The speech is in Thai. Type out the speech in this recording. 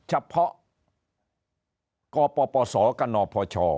เฉพาะกปปสกนปช